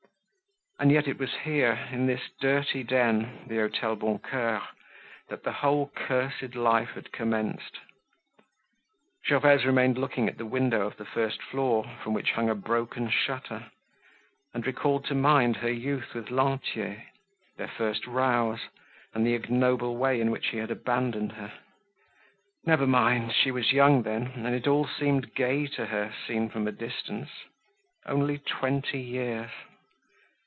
And yet it was here, in this dirty den—the Hotel Boncoeur—that the whole cursed life had commenced. Gervaise remained looking at the window of the first floor, from which hung a broken shutter, and recalled to mind her youth with Lantier, their first rows and the ignoble way in which he had abandoned her. Never mind, she was young then, and it all seemed gay to her, seen from a distance. Only twenty years.